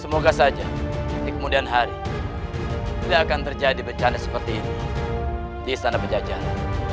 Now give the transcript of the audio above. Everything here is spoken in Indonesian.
semoga saja di kemudian hari tidak akan terjadi bencana seperti ini di istana penjajahan